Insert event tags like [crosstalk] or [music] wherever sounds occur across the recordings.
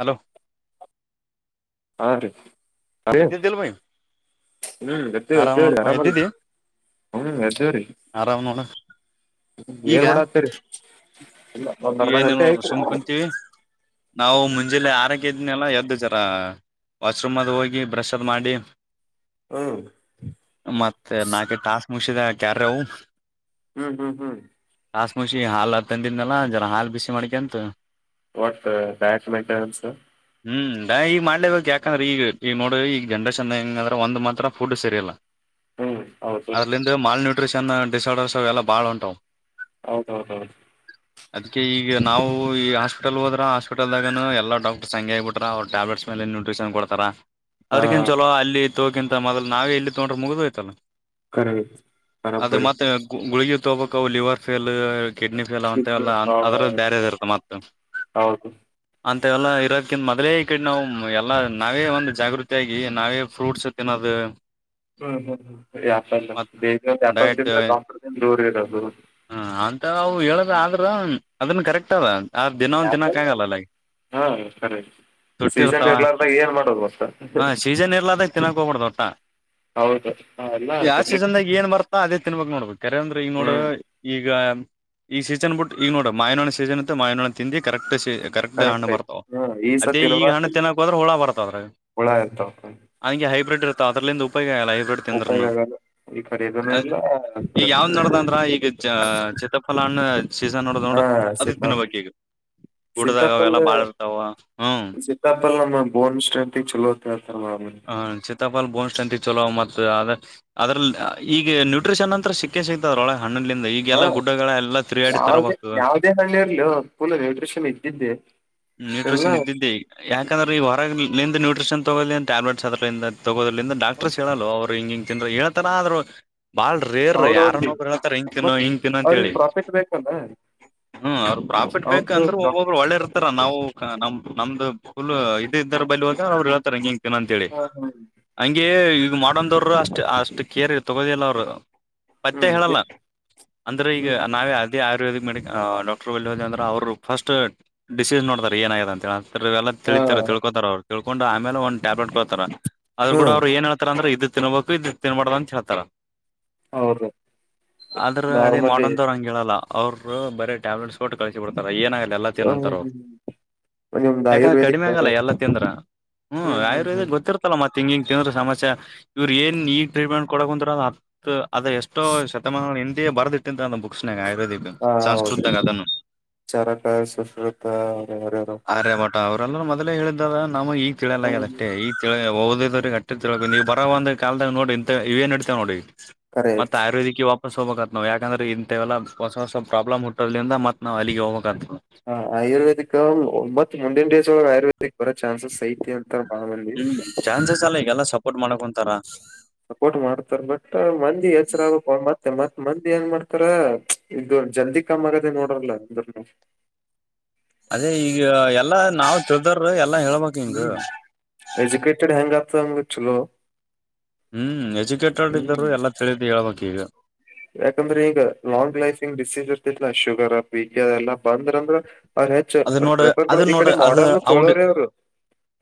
Hello. ಹಾ ರೀ. ಅದೇ ಎದ್ದಿದಿಲ್ಲ ಮಹಿ. ಹ್ಮ್ ಎದ್ದಿವಿ ಎದ್ದಿವಿ ಆರಾಮಲ್ಲ ಹ್ಮ್ ಎದ್ದಿವಿರಿ. ಆರಾಮ್ ನೋಡ ಈಗ ಏನ್ ಮಾಡತ್ತರಿ. ಇಲ್ಲ ಒಂದ್ ಅರ್ಧ ಏನಿಲ್ಲ ಗಂಟೆ ನೋಡ ಆಯ್ತು ಸುಮ್ ಕುಂತೀವಿ ನಾವು ಮುಂಜಲ್ಲೆ ಆರಕ್ಕೆ ಇದವಿ. ಸುಮ್ನೆಲ್ಲ ಎದ್ದು ಜರ ವಾಶ್ರೂಮ್ ಅದ ಹೋಗಿ ಬ್ರಷ್ ಅದ್ ಮಾಡಿ. ಹ್ಮ್ ಮತ್ತೆ ನಾಕ್ ಟಾಸ್ಕ್ ಮುಗಿಸಿದೇ ಕಾರ್ಯವು. ಹ್ಮ್ ಹ್ಮ್ ಹ್ಮ್. ಟಾಸ್ಕ್ ಮುಗಿಸಿ ಹಾಲು ತಂದಿದ್ನಲ್ಲ ಜರ ಹಾಲು ಬಿಸಿ ಮಾಡ್ಕೆಂತು. ವಟ್ ಡಯಟ್ ಮೆಂಟೆನೆನ್ಸ್. ಹ್ಮ್ ಈಗ ಮಾಡ್ಲೇಬೇಕಕ್ ಯಾಕಂದ್ರೆ ಈಗ ಈಗ ನೋಡ ಈಗ ಜನ್ರೇಷನ್ ಹೆಂಗ ಅಂದ್ರ ಒಂದ ಮಾತ್ರ ಫುಡ್ ಸರಿಯಲ್ಲ. ಹ್ಮ್ ಹೌದು ಅದ್ರಲಂದ ಮಾಲ್ನ್ಯೂಟ್ರಿಷನ್ ಡಿಸರ್ಡರ್ಸ್ ಅವೆಲ್ಲ ಬಾಳ ಉಂಟಾವ. ಹೌದೌದೌದು. ಅದಕ್ಕೆ ಈಗ ನಾವು ಈ ಹಾಸ್ಪಿಟಲ್ ಹೋದ್ರ ಹಸ್ಪಿಟಲ್ದಾಗ ಎಲ್ಲ ಡಾಕ್ಟರ್ ಸಹ ಹಂಗೆ ಆಗಬಿಟ್ರ ಅವ್ರ ಟ್ಯಾಬ್ಲೆಟ್ ಮೇಲೆ. ನ್ಯೂಟ್ರಿಷನ್ ಕೊಡ್ತಾರ ಹಾ ಅದ್ರಕಿನ್ ಚಲೋ ಅಲ್ಲಿ ತೋಕಿಂತ ಮೊದಲು ನಾವೇ ಇಲ್ಲಿ ತಗೊಂಡ್ರೆ ಮುಗಿದೋಯ್ತಲ್ಲ. ಕರೆ ಅದ ಬರಬ್ಬರಿ ಮತ್ತೆ ಗುಳಗಿ ತೋಗ ಬೇಕು liver fail kidney fail. Kidney ಮ ಅದ್ರ ಪ್ರಾಬ್ಲಮ್ ಬೇರೆದ ಇರುತ್ತ ಮತ್ತ ಹೌದು ಮತ್ತ ಎಲ್ಲಾ ಇರೋದಕಿಂತ ಮೊದಲೇ ಈ ಕಡೆ ನಾವು ಎಲ್ಲಾ ನಾವೇ ಒಂದು ಜಾಗೃತಿ ಆಗಿ ನಾವೇ ಫ್ರೂಟ್ಸ್ ತಿನ್ನೋದು ಹ್ಮ್ ಹ್ಮ್ ಹ್ಮ ಯಪಲ್ಲ ಮತ್ ಬೇಗ ಯ್ಯಾಪ ತಿಂದ್ರೆ ದಾಂಟರ್ದಿಂದ ದೂರ ಇರೋದು ಹಾಂ ಅಂತ ಅವು ಹೇಳದಾದ್ರೆ ಅದನ್ನ ಕರೆಕ್ಟ್ ಅದ ಆ ದಿನ ಒಂದು ಆ್ಯಪಲ್ ತಿಿನೋಕ್ಕ ಆಗಲ್ಲ ಅಲ್ಲಗೆ ಹಾ ಸರಿ ತುಟ್ಟಿ ಇರ್ತಾವ ಹ ಸೀಜನ್ ಇರ್ಲದಾಗ ತಿನ್ನಕ್ ಹೋಗ್ಬಡ್ದು ದೊಟ್ಟ ಹೌದು ಎಲ್ಲ ಯಾವ ಡೂಪ್ಲಿಕೇಟ್ ಸೀಜನ್ದಾಗ ಏನ್ ಬರ್ತಾ ಅದೇ ತಿನ್ಬಾಗ ನೋಡ್ಬೇಕು ಕರೆಂದ್ರ ಈಗ ನೋಡ ಹ್ಮ್ ಈ ಈಗ ಈ ಸೀಸನ್ ಬಿಟ್ಟು ಈಗ ನೋಡ ಮ ಮಾಹಿನೋ್ಣ ಸೀಸನ್ ಇತ್ತೆ ಮಾಹಿನೋ ತಿಂಡಿಂದಿ ಕರೆಕ್ಟ್ ಕರೆಕ್ಟ್ ಹಣ್ಣು ಐತಿ ಬರ್ತಾವ ಹ್ಮ್ ಈ ಅದೇ ಸತಿ ಈಗ ಹಣ್ಣ ಇರಬಾರ್ದು ತಿನ್ನೋಕ್ೋದ್ರೆ ಹುಳ ಬರ್ತಾವದ್ರ ಹುಳ ಇರ್ತಾವ ನನಗೆ ಹೈಬ್ರಿಡ್ ಇರುತ್ತ ಅದ್ರಲ್ಲಿಂದ ಉಪಯೋಗ ಆಲ್ಲ ಲೈವಡ್ ಉಪಯೋಗ ತಿಂದ್ರನು ಆಗಲ್ಲ ಈ ಕಡೆ ಇದನ್ನು ಇಲ್ಲ ಆ ಈಗ ಕಡೆ ಅದೂ ಯಾವ್ದ್ ಇಲ್ಲ. ನಡದ ಅಂದ್ರ ಈಗ ಚಿತ್ರಫಲಾನ ಸೀಸನ್ ನೋಡ ಹಾ ನೋಡು ಅದು ತಿನ್ನ ಸೀತಾಫಲ ಬಕಿ ಡದಾಗ ಅವೆಲ್ಲಾ ಸೀತಾಫಲ ಬಾಳ ಇರ್ತಾವ ಹ್ಮ್ ಮ್ಮ ಬೋನ್ ಸ್ಟ್ರೆಂ ಚಲೋ ಹೇಳ್ತಾರ ಮಾಮೂಲಿ ಹ ಚ ಸತಾಪಲ್ ಬಸ್ ಸ್ಟ್ಯಾಂಡ ಚಲ ಮತ್ರ ಅ ಅದ್ರ ಈಗ ನ್ಯೂಟ್ರಿಷನ್ ಅಂತತ್ರ ಸಿಕ್ಕೇ ಸಿಗ್ತದ್ರೊಳ ಹಣ್ಣಲ್ಲಿಂದ ಹಾ ಈಗೆಲ್ಲಾ ಗುಡ್ಡಗಳ ಎಲ್ಲ ತಿರುಗಾಡಿ ತರ ಯಾವ್ದೇ ಬ್ತದೆ ಯಾವ್ದೇ ಹಣ್ಣು ಇರ್ಲಿ ಫುಲ್ ನ್ಯೂಟ್ರಿಷನ್ ಇದ್ದಿದ್ದೆ ಎಲ್ಲ ನ್ಯೂಟ್ರಿಷನ್ ಇದ್ದಿದ್ದಿ ಯಾಕಂದ್ರೆ ಈ ಹೊರ ನಿಂದ ನ್ೂಟ್ರಿಷನ್ ತಗೋದ ಟ್ಯಾಬ್ಲೆಟ್ಸ್ ಅದ್ರಂದ ತಗೋದ್ರಿಂದ ಡಾಕ್ಟರ್ಸ್ ಹೇಳಲ್ಲ ಅವರು ಹಿಂಗ ಹಿಂಗ ಜನರು ಹೇಳ್ತಾರ ಆದ್ರರು ಬಾಳ್ ರೇರ್ ಅವ್ರವ್ರಿಗೆ ಯಾರನ್ನೋಬ್ರು ಹೇಳ್ತಾರೆ ಹಿಂ ಕಿನೋ ಮತ್ ಹಿಂಗ ತಿಿನೋ ಅವ್ರಿಗೆ ಅಂತೇಳಿ ಪ್ರಾಫಿಟ್ ಬೇಕಲ್ಲ ಹ್ಮ್ ಅವ್ರು ಪ್ರಾಫಿಟ್ ಅವ್ರದ್ದು ಬೇಕಂದ್ರೆ ಒಬ್ೊಬ್ರು ಡಾಕ್ಟರ್ಸ್ ಒಳ್ಳೆ ಇರ್ತಾರ ಪ್ರಾಫಿಟ್ ನಾವು ನಮ್ ನಮ್ದು ಫುಲ್ ಇದ ಇದ್ರ ಬಳಿ ಹೋದ ಅವ್ರು ಹೇಳ್ತಾರೆ ಹಂಗ ಏನಂತೇಳಿ ಹಾ ಹಾ ಹಗೆ ಈಗ ಮಾಡಂದವರು ಅಷ್ಟ ಅಷ್ಟು ಕೇರ್ ತಗೋದಿಲ್ಲ ಅವರು ಪತ್ತೆ ಹ್ಮ್ ಹೇಳಲ್ಲ ಅಂದ್ರೆ ಈಗ ಹ್ಮ್ ನಾವೇ ಅದೇ ಆಯುರ್ವೇದಿಕ್ ಮೆಡ ಡಾಕ್ಟರ್ ಬಳ್ಳಿಹೋ ಅಂದ್ರ ಅವರುಫಸ್ಟ್ ಡಿಸೀಸ್ ನೋಡ್ತಾರೆ ಏನಾಗಿದೆ ಅಂತ ಹೇಳ ಇವೆಲ್ಲ ಹಾ ತಿಳಿತಾರೆ ತಿಳ್ಕೊತಾರ ಅವ್ರು ತಿಳ್ಕೊಂಡು ಆಮೇಲೆ ಒಂದ್ ಟ್ಯಾಬ್ಲೆಟ್ ಕೊಳ್ತಾರ ಅದ್ರ ಕೂಡ ಹ್ಮ್ ಅವರು ಏನ್ ಹೇತಾರ ಅಂದ್ರ ಇದ ತಿನ್ಬೇಕ ಇದ್ ತಿನ್ಬಾರ್ದ ಅಂತ ಹೇತಾರ ಹೌದು ಆದ್ರ ಅದೇ ನಾರ್ಮಲಿ ಮಾಡಂದವ ಹಂಗಗೆಲ್ಲ ಅವರು ಬರೇ ಟ್ಯಾಬ್ಲೆಟ್ಸ್ ಕೊಟ್ಟು ಕಳಿಸಿ ಬಿಡ್ಾರೆ ಏನಾಗಲ್ಲ ಎಲ್ಲ ತಿನ ಅಂತಾರೆ ಅವ್ರು ನಿಮ್ದು ಯಾಕಂದ್ರೆ ಆಯುರ್ವೇದಿಕ್ ಕಡಿಮೆ ಆಗಲ್ಲ ಬೇರೆ ಎಲ್ಲ ತಿಂದ್ರ ಹ್ಮ್ ಆಯುರ್ವೇದ ಗೊತ್ತಿರ್ತಲ್ಲ ಮತ್ತೆ ತೆಂಗಿಂಗ ತಿಿಂದ್ರ ಸಮಸ್ಯೆ ಇವರು ಏನ್ ಈಗ ಟ್ರೀಟ್ಮೆಂಟ್ ಕೊಡಂದ್ರ ಅ ಹ ಅದ ಎಷ್ಟೋ ಶತಮಾನ ಹಿಂದಿೆ ಬರ್ದಿಟ್ಟಂತ ಒ ಬುಕ್ಸ್ ನಾಗ ಆಯುರ್ವೇದಿಕ್ ಹಾ ಸಂಸ್ಕೃತಾಗ ಅದನ್ನು ಶುಶ್ರತಾ ಅವರರ ಅವ್ರಲ್ಲರು ಮದ್ಲೇ ಹೇಳಿದಾರ ನಮ ಈ ತಿಳಿಯಲದ ಹ್ಮ್ ಅಷ್ಟೇ ಈ ತಿ ಟ್ಟಿ ನೀವು ಬರೋ ಒಂದ ಕಾಲದಲ್ಲಿ ನೋಡಿ ಇ ಇವ ಏನ್ ಇಡತೇವೆ ನೋಡಿ ಕರೆ ಮತ್ತ ಐತಿ ಆಯುರ್ವೇದಿ ಹೊಸಸ್ ಹೋಗಬೇಕ ನಾವು ಯಾಕಂದೆ ಇಂಥವೆಲ್ಲ ಹೊಸ ಹೊಸ ಪ್ರಾಬ್ಲಮ್ುದಿಂದ ಮತ್ತು ನಾವು ಅಲ್ಲಿಗೆ ಹೋಗ್ಬೇಕ ನವು ಹ ಆಯುರ್ವೇದಿಕ್ ಒಂಬತ್ ಮುಂಡಿನ ದಿವಸ ಒಳ ಆಯುರ್ವೇದಕ್ ಬರೋ ಚಾನ್ಸಸ್ ಐತಿ ಅಂತಾರ ಬಾಳ ಮಂದಿ ನಿ ಚಾನ್ಸಸ್ ಅಲ್ಲ ಈಗೆಲ್ಲಾ ಸಪೋರ್ಟ್ ಮಾಡಕೊಂತಾರ ಸಪೋಟ್ ಮಾಡ್ತಾರ ಬಟ್ ಮಂದಿ ಎಚ್ಚರ ಆಗ ಮತ್ತೆ ಮತ್ತೆ ಮಂದ ಏನ್ ಮಾಡ್ತಾರ ಇದು ಜಲ್ದಿ ಕಮ್ಮ್ ಆಗದೆ ನೋಡ್ರಲ್ಲ ಇದ್ರನು ಅದೇ ಈಗ ಎಲ್ಲಾ ನಾವ್ ತಿಳ್ದಾರ ಎಲ್ಲಾ ಹೇಳ್ಬೇಕಕ್ ಹಿಂಗ ಗ ಹ್ಮ್ ಎಜುಕೇಟೆಡ್ ಇದ್ದರು ಎಲ್ಲಾ ತಿಳಿದು ಹೇಳ್ಬೇಕಕ್ ಈಗ ಯಾಕಂದ್ರೆ ಈಗ ಲಾಂಗ್ ಲೈಫಿಂಗ್ ಡಿಸೀಸ್ ಇರ್ತಿತ್ಲಾ ಶುಗರ್ ಪಿ ಕೆ ಎಲ್ಲಾ ಬಂದ್ರ ಅಂದ್ರ ಅ್ರ ಹೆಚ್ಚ ಅದ ನೋಡ ಪ್ರೆಪರ್ ಅದ ಈ ನೋಡ ಕಡೆ ಅದ ಮಾಡರ್ನ್ ಔಡ್ ತೊಳೋ್ರ ಅವ್ರು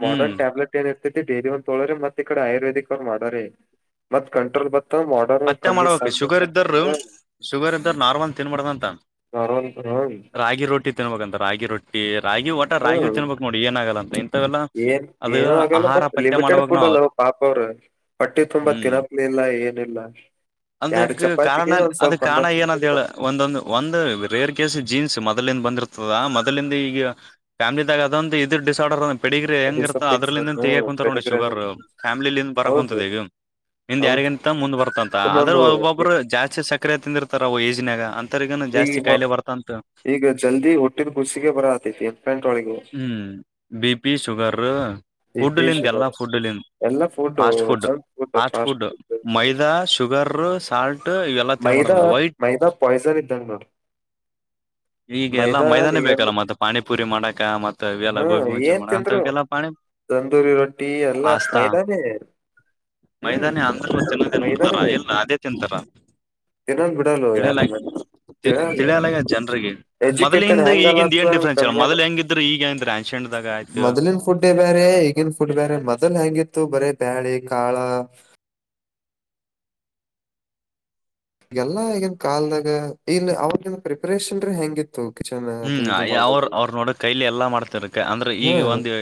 ಹ್ಮ್ ಮಾಡೋರ್ನ್ ಟ್ಯಾಬ್ಲೆಟ್ ಏ ಇರ್ೈ ಡೈಲಿ ಒಂದ ತಳ್ರ ಮತ್ತ ಈಡೆ ಆಯುರ್ೇದಕ್ ಮಾಡರಿ ಮತ್ ಕಂಟ್ರೋಲ್ ಬತ್ತ ಮಾಡ ಪತ್ತೆ ಕಮ್ಮಿ ಮಾಡ್ಬೇಕು ಶುಗರ್ ಸಣ್ಣ ಶುಗರ್ ಎಂತ ನಾರ್ಮಲ್ ತಿನ್ಬಾರಡ್ದಂತ ಮರನ್ ಹ್ಮ್ ರಾಗಿ ರೋಟಿ ತಿನ್ಬಂತ ರಾಗಿ ರೊಟ್ಟಿ ರಾಗಿ ಒಟ ರಾಗಿ ಹ್ಮ್ ತಿನ್ಬೇಕಕ್ ನೋಡಿ ಏನಾಗಲ್ಲ ಇಂಥವೆಲ್ಲಾ ಏನ್ ಅದು ಏನು ಆಗಲ್ಲ ಆಹಾರ ಬಟ್ ಪತ್ತೆ ಲಿಮಿಟೆಡ್ ಮಾಡ್ಬೇಕಕ್ ಫುಡ್ ನಾವ್ ಅಲ್ಲ ಪಾಪ ಅವರು ಬಟ್ಟಿ ತುಂಬಾ ಹ್ಮ್ ತಿನ್ನಪ್ಲಿಲ್ಲ ಏನ್ ಇಲ್ಲ ಎರಡು ಅದಕ್ ಕಾರಣ ಚಪಾತಿಗೆ ಒಂದ್ ಅದ ಸ್ವಲ್ಪ ಅನ್ನ ಕಾರಣ ಏನಂತ ತಿಂತಿರ್ ಹೇಳ ಗಪ್ ಒಂದೊಂದು ಒಂದು ರೇರ್ ಜೀನ್ಸ್ ಮೊದಲಿಂದ ಬಂದಿರ್ತದ ಮೊದಲಿಂದ ಈಗ ಫ್ಯಾಮಿಲಿದಾಗ ಅದೊಂದು ಇದ ಡಿಸ ಆರ್ಡರ್ ಪಿಡಿಗ್ರ ಅದಿಸ ಹೆಂಗಿರ್ತ ಫಿಕ್ಸ್ ಅದ್ರಲಿಂದಿಂದ ಹ್ಮ್ ತಗಾಕ್ ಕುಂತಾರ ನೋಡಿ ಪೆನಿಗ್ರಾನ್ ಶುಗರ್ ಫ್ಯಾಮಿಲಿಲಿಂದ ಬರಕ ಹೌದು ಕುಂತದ ಈಗ ಹಿಂದ್ ಹೌದು ಯಾರಿಗಿಂತ ಮುಂದ್ ಬರ್ತ ಅಂತ ಆದದ್ರ ಇನ್ನೊಂದು ಒಬ್ಬೊಬ್ಬರು ಈ- ಜಾಸ್ತಿ ಸಕರೆ ತಿಂದಿರ್ತಾರ ಅವ ಏಜ್ನ್ಯಾಗ ಈಗ ಈಗ ಜಲ್ದಿ ಹುಟ್ಟಿನ ಕುಸಿಗೆ ಬರತೈತಿ ಎಂ ಪೆಂಟ್ ಒಳಗ ಹ್ಮ್ ಬಿ ಪಿ ಸುಗರ್ ಈ ಫುಡ್ ಲಿಂದ ಎಲ್ಲಾ ಫೇಶುಗರ್ ಫುಡ್ಲ್ಲಿ fast food fast food maida ಶು ಶುಗರ್ ಸಾಲ್ಟ್ ಇವೆಲ್ಲ ಮೈದಾ ತಿನ್ಬಾರ್ದಂತ ವೈಟ್ ಮೈದಾ ಪಾಯ್ಸನ್ ಇದ್ದಂಗ ನೋಡ್ರಿ ಈಗಲ್ಲಾ ಮೈದಾ ಮೈದಾನೇ ನಿಯರ್ ಬೇಕಲ್ಲ ಮತ್ತೆ ಪಾನಿ ಪೂರಿ ಮಾಡಾಕ ಮತ್ತ ಇವೆಲ್ಲ ಹಾ ಗೋಬಿ ಮಂಚೂರು ಏನ್ ಮಾಡಕ ತಿಂದ್ರು ಅಂತವಲ್ಲ ಪಾಣಿ ತಂದೂರಿ ರೊಟ್ಟಿ ಎಲ್ಲಾ ಮೈದಾನೆ ಹ್ಮ್ ಮೈದಾನ ಅಂದ್ರ ಚನ್ನದ ನಡ್ತಾರ ಎಲ್ ಅದೇ ತಿಂತಾರ ಏನ್ನಂದ್ ಬಿಡಲ್ಲ ಯಾರು ಮತ್ತ ತಿಳಿಯಾಲ ಜನ್ರಿಗೆ ಎಜುಕೇಟೆಡ್ ಮೊದಲಿಂದ ಈಗಿದ ಏನ್ ಹೆಂಗಲತ್ತ ಡಿಫ್ರೆನ್ಸ್ ಅಲ್ಲ ಕಮ್ಮಿ ಮೊದಲ್ ಹೆಂಗಿದ್ರರು ಈಗ ಹೆಂಗ್ರ ಆನ್ಷಿಯಂಟ್ ಮೊದಲಿನ ಫುಡ್ ಬೇರೆ ಈಗಿನ ಫುಡ್ ಬೇರೆ ಮೊದ್ಲ್ ಹೆಂಗಿತ್ತು ಬ ರೆ ಪ್ಯಾಡೆ ಕಾಳ ಎಲ್ಲಾ ಈಗನ್ ಕಾಲ್ದಾಗ ಇ ಅವ್ರಗನ್ ಪ್ರಿಪರೇಷನ್ ರೀ ಹೆಂಗಿತ್ತು ಕಿಚನ್ ಅದು ಹ್ಮ್ ಇದು ಅವ್ರ ಮಾಡೋದು ಅವ್ರ ನೋಡ ಕೈಲಿ ಎಲ್ಲಾ ಮಾಡ್ತಿರಕ ಅಂದ್ರೆ ಹಾ ಈಗ ಒಂದು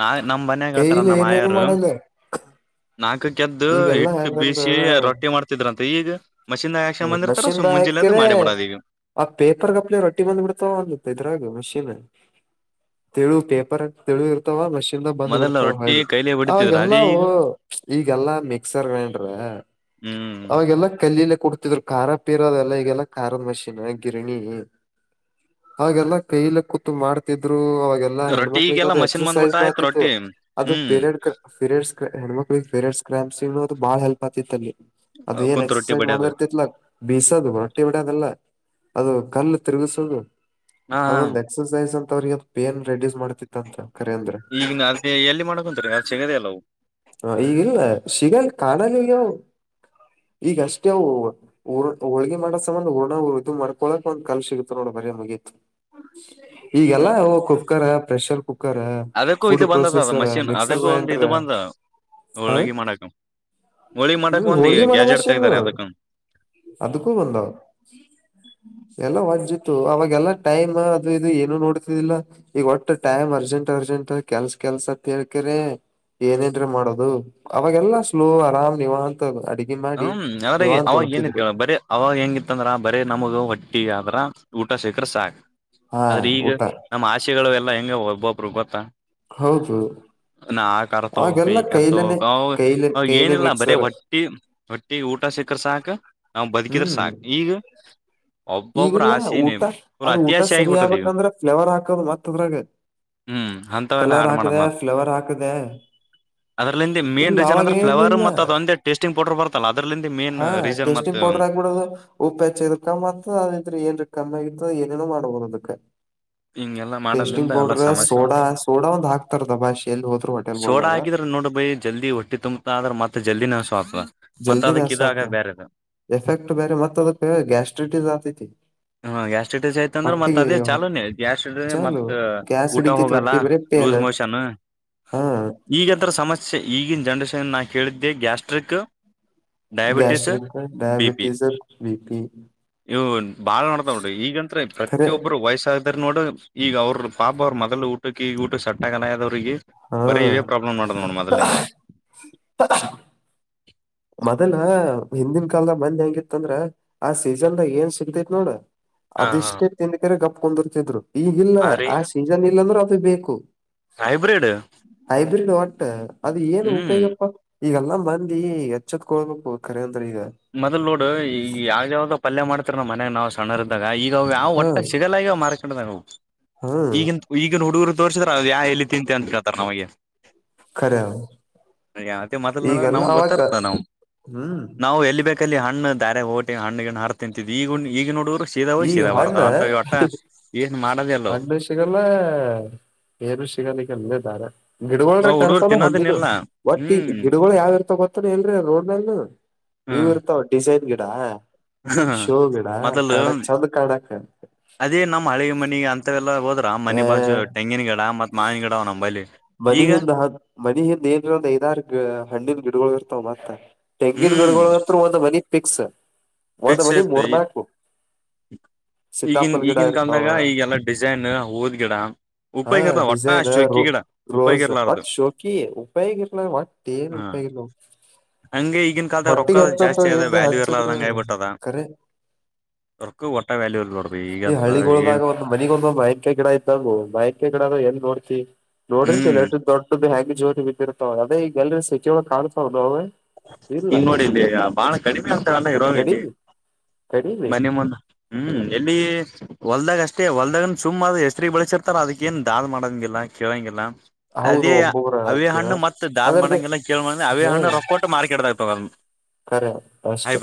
ನಾ ನಮ್ ಮನ್ಂಗ ಹೇಳ್ತಾರ ಕೈಲಿ ನಮ್ಮ ಏನೇನು ಆಯಾರ ಮಾಡಲ್ಲ ನಾಲ್ಕ ದ್ದು ಈಗೆಲ್ಲಾ ಹಿಟ್ಟು ಹೆಂಗಂದ್ರ ಬೀಸಿ ರೊಟ್ಟಿ ಮಾಡ್ತಿದ್ರಂತ ಈಗ ಮಷಿನ್ ಆಕ್ಷನ್ ಬಂದಿರ್ತಾರ ಮಷಿನ್ದ ಸುಮ್ ಮುಂಜಿಲ್ಲದು ಹಾಕ್ರ ಮಾಡಿಬಿಡೋದು ಈಗ ಆ ಪೇಪರ್ ಕಪ್ಲೆ ರೊಟ್ಟಿ ಬಂದ್ ಬಿಡ್ ಇದ್ರಾಗ ಮಷಿನ್ ತೆಳು ಪೇಪರ್ ತೆಳು ಇರ್ತವ ಮಷಿನ್ ಬಂದಬ ಮೊದಲ ಬಿಡ್ತಾವ ರೊಟ್ಟಿ ಹಳ್ಳ ಕೈಲೆ ಹೊಡಿತಿದ್ರ ಅದೇ ಅವಗೆಲ್ಲವು ಈಗ ಈಗೆಲ್ಲಾ ಮಿಕ್ಸರ್ ಗ್ರೈಂಡ್ರ ಹ್ಮ್ ಅವಾಗೆಲ್ಲ ಕಲ್ಲಿಲಿ ಕುಡ್ತಿದ್ರು ಖಾರ ಪೀರದ ಎಲ್ಲ ಈಗೆಲ್ಲ ಖಾರದ ಮಷೀನ್ ಗಿರಣಿ ಹಾಗೆಲ್ಲ ಕೈಲ ಕೂತ್ ಮಾಡ್ತಿದ್ರು ಲ್ಲ ರೊಟ್ಟಿ ಹೆಣ್ಮಕ್ಳಿಗ ಈಗೆಲ್ಲಾ ಅದು ಮಷಿನ್ ಎಕ್ಸರ್ಸೈಜ್ ಬಂದ್ಬಿಟ್ಟ ಆಯ್ತು ಮಾತಿತ್ತು ರೊಟ್ಟಿ ಅದು ಹ್ಮ್ ಪೆಡ್ರಡ್ಸ್ ಹೆಣ್ಮಕ್ಳಿಗೆ ಫಿರಡ್ಸ್ ಕ್ರಾಂಸ್ ಅದು ಬಾಳ ಹೆಲ್ಪ್ ಆತಿತ್ತ ಅಲ್ಲಿ ಅದ ಏನ್ ಕುಂತ್ ರೊಟ್ಟಿ ಎಕ್ಸರ್ಸೈಜ್ ಬಡಿಯೋದು ಮಾಡಿದ್ರ ಬೀಿಸೋದು ರೊಟ್ಟಿ ಹೊಡೋದೆಲ್ಲ ಅದು ಕಲ್ಲು ತಿರುಗಸೋದು ಹಾ ಹಾ ಅದೊಂದ್ ಎಕ್ಸಸೈಸ್ ಅಂತ ಅವ್ರಗ ಪೇನ್ ರಿಡ್ಯೂಸ್ ಮಾಡ್ತಿತ್ತ ಅಂತ ಈಗ ಅದ ಎಲ್ಲಿ ಮಾಡಕೊಂಂತ್ರ ಚೆಗದ ಅಲ್ಲವು ಹ ಈಗಲ್ ಸಿಗಲ್ ಕಾಣಲ್ಲ ಈಗವು ಈಗ ಅಷ್ಟ ಅವು ಹೂರ್ ಹೋಳ್ಗಿ ಮಾಡ ಸಂಬಂಧ ಹಊರ್ಣರು ಇದ ಮಾಡ್ಕೊಳಕಕ್ ಒಂದ್ ಕಾ ಸಿಗತ ನೋಡ ಬರಿ ಮುಗಿಯತಿ ಈಗೆಲ್ಲ ಹ್ಮ್ ಕುಕ್ಕರ್ ಪ್ರೆಷರ್ ಕುಕ್ಕರ್ ಅದಕ್ಕೂ ಫುಡ್ ಇದು ಬಂದದ ಪ್ರೊಸೆಸರ್ ಮಿಕ್ಸರ್ ಗ್ರೈಂಡರ್ ಹ ಹೋಳ್ಗಿ ಮಾಡಕ್ ಹೋಳಗಿ ಹ್ಮ್ ಮಾಡಕ್ ಒಂದು ಹೋಳ್ಗೆ ಮಾಡೋ ಗ್ಯಾಜೆಟ್ ಮಷೀನ್ ತಗ್ದಾರೆ ಅದಕ್ಕ ಅದಕ್ಕೂ ಬಂದಾವ ಎಲ್ಲ ಜ್ಜಿತ್ತು ಅವಾಗಲ್ಲ ಟೈಮ್ ಅದು ಇದು ಏನು ನೋಡ್ತಿದ್ದಿಲ್ಲ ಈಗ ಒಟ್ಟು ಟೈಮ್ ಅರ್ಜೆಂಟ್ ಅರ್ಜೆಂಟ್ ಕೆಲ್ಸ ಕೆಲ್ಸ ಕೇಳ್ಕರೆೇ ಏನೇನ್ೀ ಮಾಡೋದು ಅವಾಗೆಲ್ಲಾ ಸ್ಲೋ ಆರಾಮ್ ನೀವ ಅಂತ ಹ್ಮ್ ಅಾಗಿ ಅವಾಗ ಏನಿತ್ತು ಬರೀ ಅವಾಗ ಹೆಂಗಿತ್ತ ಅಂದ್ರ ಬರೀ ನಮಗ ಹೊಟ್ಟಿ ಆದ್ರ ಊಟ ಶೇಖರ್ ಸಾಕ್ ಹಾ ಆದ್ರೆ ಈಗ ಊಟ ನಮ್ಮ ಆಶೆಗಳುಲ್ಲಾ ಹೆಂಗ ಒಬ್ಬೊಬ್ರು ಗೊತ್ತಾ ಹೌದು ಕಾರ್ತೋಗ ಆಗೆಲ್ಲ ಈ ಕೈಲನೆ ಕಾರ್ತೋಗ ಅವ ಕೈಲೆ ಅವ ಕೈನೆ ಏನಿಲ್ಲ ಬರೇ ಮಿಕ್ಸರ್ ಹೊಟ್ಟಿ ಹೊಟ್ಟಿ ಊಟ ಸಿಕ್ಕ್ರ ಸಾಕ ನಾವ್ ಬದಕಿದ್ರ ಹ್ಮ್ ಸಾಕ ಈಗ ಒಬ್ಬೊಬ್ಬ್ರ ಈಗಿಲ್ಲ ಆಸೆನೆ ಊಟ ಫುಲ್ ಅದು ಊಟ ಅತ್ಯಾಸೆ ಸರಿ ಆಗಿಬಿಟ್ಟದ ಈಗ ಆಗ್ಬೇಕಂದ್ರೆ ಫ್ಲೇವರ್ ಹಾಕೋದ ಮತ್ತದ್ರಾಗ ಹ್ಮ್ ಅಂತವೆಲ್ಲ ಕಲರ್ ಹಾಕದ ಫ್ಲವರ್ ಹಾಕದ. ಅದ್ರಲ್ಲಿ ಮೈನ್ ರೀಸನ್ ಅಂದ್ರ ಫ್ಲವರ್ ಮತ್ತ ಅಂದ ಟೇಸ್ಟಿ್ ಪೌಡರ್ ಬರ್ತ್ತೆ ಹಾ ಟೇಸ್ಟಿಂಗ್ ಪೌಡರ್ ಆಾಕ್ಬಿಡದು ಉಪ್ಪು ಹೆಚ್ಚಿ ಕಮ್ಮತ್ ್ರ ಏನ್ ಕಮ್ಮಿ ಆತ್ತು ಏನೇನೋ ಮಾಡ್ಬೋದು ಅದಕ್ಕೆ ಹಿಂಗೆಲ್ಲಾ ಟೇಸ್ಟಿಂಗ್ ಮಾಡದ್ಲಿಂದ ಎಲ್ಲಾ ಪೌಡರ್ ಸಮಸ್ಯೆ ಸೋಡಾ ಉಂಟು ಸೋಡಾ ಒಂದ್ ಹಾಕ್ತಾರದ ಬಾಷೆ ಎಲ್ಲಿ ಹೋದ್ರು ಹೊಟೆಲ್ ಬೋದಾಗ ನೋಡ್ ಬೈ ಜಲ್ದಿ ಹೊಟ್ಟಿ ತುಂಬತಾ ಆದ್ರ ಮತ್ತೆ ಜಲ್ದಿ ನಾ ಸ್ವ ಜಲ್ದಿನೇಸ್ತ್ರ ಎಫೆಕ್ಟ್ ಬೇರೆ ಮತ್ತ ಅದ ಗ್ಯಾಸ್ಟ್ರಿ ಆತೈತಿ ಹಾ ಗ್ಯಾಸ್ಟ್ರಟಜ್ ಆಯತ ಅಂದ್ರ ಮತ್ತತ್ ಅದೇ ಹೊಟ್ಟಿಗೆ ಚಾೂನ್ಯ ಗ್ಯಾಸ್ಟ್ರ ಮತ್ತತ್ ಊಟ ಹೋಗಲ್ಲ ಲೂಸ್ ಮೋಷನ್ ಈಗಂತರ ಸಮಸ್ಯೆ ಈಗಿನ ಜನರೇಷನ್ ನಾ ಕೇಳಿದ್ದೆ gastric diabetes B P diabetes BP ಇವು ಹಾಳ ಮಾಡಡತಾೋ್ರ ಈಗಂತ್ರ ಖರೆ ಪ್ರತೊಬ್ರು ವಯಸ್ಸಾದದರ್ ಈಗ ಅವ್ರ ಪಾಪ ಅವ್ರ ಮೊದಲು ಊಟಕ್ಕೆ ಈಗ ಊಟ ಸಟ್ಟಗಲ ಆದವ್ರಿಗೆ ಹಾ ಬರೀ ಇವೇ ಪ್ರಾಬ್ಲಮ್ ಮಾಡುದು್ ನೋಡಮ್ ಮದಲಿಂದು ಹ ಹ ಮೊದಲ ಹಿಂದನ್ ಕಾಲದ ಮಂದ್ ಹೆಂಗಿತ್ತ ಅಂದ್ರ ಆ ಸೀಸನ್ದ ಏನ್ ಸಿಗತೈತ್ ನೋಡ ಹ ಹ ಅದಿಷ್ಟೇ ತಿಂದಕರೆ ಗಪ್ಕೊಂಡಿರ್ತಿದ್ರು ಈಗಿಲ್ಲ ಆದ್ರೆ ಆ ಈಗ ಸೀಸನ್ ಇಲ್ಲಾಂದ್ರರು ಅದು ಬೇಕು ಹೈಬ್ರಿಡ್ ಬ ಅದ ಏನು ಹ್ಮ್ ಉಪಯೋಗಪ್ಪ ಈಗೆಲ್ಲಾ ಮಂದಿ ಎಚ್ಚತ್ಕೋರ ಮೊದ್ಲ್ ನೋಡು ಈಗ ಯಾವ ಯಾವ್ದ್ ಪಲ್ಯ ಮಾಡತರಿ ನಮ್ಮ ಮನ್ಯಾಗ ನಾವ್ ಸಣ್ಣರ್ದ ಈಗ ಯಾವ ಹಾ ಒಟ್ಟ ಸಿಗಲಾಗಿ ಮಾರ್ಕೊಂಡವು ಹ್ಮ್ ಈಗ ಈಗ ನುಡುಗರು ತೋರ್ಸಿದ್ರ ಅದು ಯಾ ಎಲ್ಲಿ ತಿಂತಿ ಅನ್ಕಳ್ತಾರ ನಮಗೆ ಖರೆ ಅವ. ದೇ ಮಾತ್ತ ನೋಡ್ರ ಈಗೆಲ್ಲ ನಮಗ್ ಅವಾಗ ಗೊತ್ತರ್ತ ನಾವ್ ಹ್ಮ್ ಎಲ್ಲಿ ಬೇಕ ಅಲ್ಲಿ ಹಣ್ಣ ದಾರೆ ೋಟಿ ಹಣ್ಣ ಹಾರ ತಿಂತಿದ್ ಈಗ ಈಗ ನೋಡರು ಸೀದಾ ಹೋಗ್ ಈಗ ಶೀದಾ ಬರ್ತಾವ ಅಂತ ಒಟ್ಟ ಏನ್ ಮಾಡ ಆಗಲೇ ಸಿಗಲ್ಲ ಏನುಷಿಗಾಲಿಗೆಲ್ಲೇಾರೆ ಗಿಡವಾಳ್ರೆ ಅವು ಹುಡುಗರು ಕರ್ಸಲ್ಲ ಹಳ್ಳಿದು ತಿನ್ನೋದನ್ನಿಲ್ಲ [inaudible] ಹ್ಮ್ ಗಿಡಗಳು ಯಾವರ್ತವೆ ಅಂತ ಗೊತ್ತಾ ರೋಡ್ ಅಲ್ಲಿ ನೀವ್ ಇರ್ತಾವ ಡಿಸೈನ್ ಗಿಡ ಹ ಶೋ ಗಿಡ ಮೊದಲು ಕಾಣಕ್ ಚಂದ ಕಾಣಕ್ ಅದೇ ನಮ್ಮ ಹಳೆ ಮನೆ ಅಂತ ಮತ್ತ ಎಲ್ಲಾ ಹೋದ್ರ ಏ ಮನೆ ಬಾಜು ತೆಂಗಿನ ಗಿಡ ಮತ್ ಮಾವಿನ ಗಿಡ ಅವ್ ನಂಬಲ್ಲಿ ಈಗ ಮನೆ ಹಿಂದೆ ಐದಾರು ಅಣ್ಣನ ಗಿಡಗಳು ಇರ್ತವೆ ತೆಂಗಿನ ಗಿಡ ಹ್ಮ್ ಇರುತ್ತೆ ಒಂದು ಮನೆ ಫಿಕ್ಸ್ ಇಲ್ಲ ಮೂರ್ನಾಲ್ಕು ಮನೆ ಈಗನ್ ಈಗನ್ ಕಾಲದಾಗ ಈಗೆಲ್ಲ ಡಿಸೈನ್ ಹೋದ್ ಗಿಡ ಉಪಾಯಿ ಕತ ಹೊಟ್ಟಾ ಚೊಕ್ಕಿ ಗಿಡ [inaudible] ರೋಜಾ ಇರ್ಲಾರ್ದು ವಾಟರ್ ಹಾ ಮಿಲನ್ ಹಂಗೆ ಈಗಿನ ಕಾಲದ ರೊಕ್ಕ ಜಾಸ್ತಿ ಆದೆ ಏನ್ರಿ ವ್ಯಾಲ್ಯೂ ಹಚ್ಚಿದ್ರ ಇರ್ಲ್ಲದಂಂಗ ಬಟ್ ದಾ ಕರೆ ಇಕ ಒಓಟ್ಟ ವಲ್ಯೂ ಕೊಡ್ [inaudible] ಈ ಹಳ್ಳಿಯಲ್ಲಿ ಮನೆಗ್ ಒಂದೊಂದು ಮಾವಿನ ಮರ ಐತಿ ನೋಡಿರ್ತೀರ ಹ್ಮ್ ಅಲ್ವಾ ಎಷ್ಟು ಮರದಲ್ಲಿ ಎಷ್ಟೊಂದು ಜೊತ್ ಬಿದ್ದಿರುತ್ತವೆ ಬಾಳ ಕಡಿಮೆ ರೈಟ್ ಅನ್ಸತ್ತೆ ಕಡಿಮಿ ಕಡಿಮಿ ಮನೆ ಮುಂದ ಹ್ಮ್ ಎಲ್ಲಿ ಹೊಲ್ದಾಗ ಅಷ್ಟೇ ಹೊಲ್ದಾಗನು ಸುಮ್ಮ್ ಆದ ಹೆಸರು ಬೆಳೆಸಿರ್ತಾರ ಅದಕ್ಕೇಏನು ದಾದ ಮಾಡೋಂಗಗೆಿಲ್ಲ ಕೇಳೋಂಗಿಲ್ಲ ಹೌದು ಅದೇ ಒಬ್ಬೊಬ್ರ ಅವೇ ಕೇಳ ಹಣ್ಣು ಮತ್ತ ದಾದ ಅದರ್ದೇ ಮಾಡಡಗೆಲ್ಲ ಕೇಳ ಮಾಡ್ರೆ ಅವೇ ಹಣ್ಣು ರೊಕ್ಕೊಂಡ ಕೇಡದಾ ಇ [inaudible] ನಿಜ ಅಷ್ಟೇ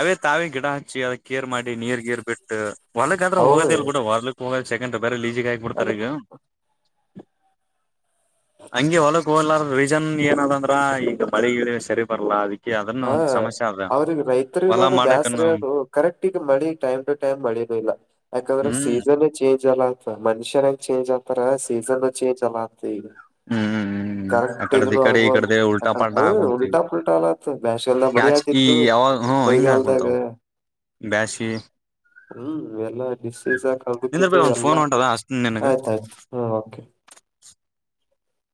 ಅವೇ ತಾವಿ ಗಿಡ ಹಚ್ಚಿ ಅದ ಕೇರ್ ಮಾಡಿ ನೀರ್ ಗೀರ್ ಬಿಟ್ಟು ಹೊರ್ಗ ಆದ್ರೆ ಹೌದು ಹೋಗೋದಿಲ್ ಕೂಡ ಹೊರ್ಲ ಹೋಗೋದು ಸೆಕೆಂಡ್ ರಲೀಸ್ ಅದ ಹಾಗ್ಬಿಡ್ತಾರೆ ಇವಾಗ ಹಂಗೆ ಹೊಲಕ್ ಹೋಲ್ಲಾರ ರೀಜನ್ ಏನದಂದ್ರ ಈಗ ಮಳೆ ಸರಿಯಾಗ್ ಬರಲ್ಲ ಅದೊಂದ್ ಸಮಸ್ಯೆ ಅದ ರೈತರಿಗೆ ಹೊಲ ತುಂಬಾ ಮಾಡಕನ್ನು ಬೇಜಾರು ಯಾಕಂದರೆ ಟೈಮ್ ಗೆ ಮಳೆ ಬರಲ್ಲ ಏನಿಲ್ಲ ಅ ಹ್ಮ್ ಸೀಸನ್ ಚೇಂಜ್ ಅಲ್ಲ ಆತ್ತ ಮನುಷ್ಯ ಹೆಂಗ್ ಚೇಂಜ್ ಆತಾರ ಸೀಸನ್ ಚೇಂಜ್ ಅಲ್ಲತ ಈಗ ಹ್ಮ್ ಹ್ಮ್ ಆ ಕರೆಕ್ಟ್ ಕಡೆದ ಈ ಇದನು ಕಡೆ ಈ ಕಡೆದ ಆಗುವಂತ ಉಲ್ಟಾ ಯಾಕ್ರ ಪಾಲ್ಟಾ ಹಾಕೊಂತೀವಿ ಉಲ್ಟಾ ಪಲ್ಟಾ ಅಲತ್ ಬ್ಯಾಷ ಎಲ್ಲ ಮಡಿ ಆತಿತ್ತು ಯಾವಾಗ್ಲೂ ಇಂಗೆ ಮಳಿಗಾಲದಾಗ ಬೇಜಾರಲ್ಲಿ ಇರೋದು ಹ್ಮ್ ಎಲ್ಲ ನಿಶ್ಚೇಿಸ ನಿಂದ್ರ ಕದುಕಿತು ಬೇ ಒಂದ್ ಎಲ್ಲಾ ಫೋನ್ ಹೊಂಟದ ಅಸ್ತಿನ್ ನಿನಗ ಆಯ್ತಯ್ತು ಹ್ಮ್ ಕೆ [inaudible]